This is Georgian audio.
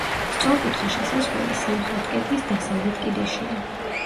სწორკუთხა შესასვლელი სამხრეთ კედლის დასავლეთ კიდეშია.